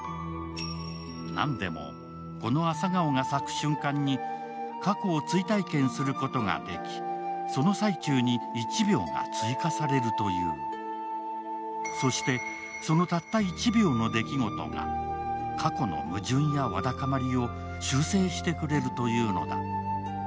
なんでも、このアサガオが咲く瞬間に過去を追体験することができその最中に１秒が追加されるというそして、そのたった１秒の出来事が過去の矛盾やわだかまりを修正してくれるというのだ。